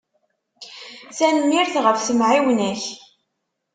Tenmmirt ɣef temεiwna-ak.